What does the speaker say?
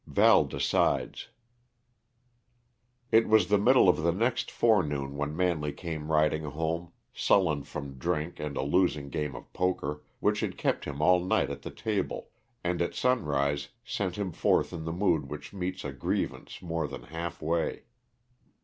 VAL DECIDES It was the middle of the next forenoon when Manley came riding home, sullen from drink and a losing game of poker, which had kept him all night at the table, and at sunrise sent him forth in the mood which meets a grievance more than half way.